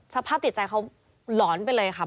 สภาพจิตใจเขาหลอนไปเลยค่ะ